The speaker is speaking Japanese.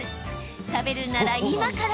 食べるなら今から！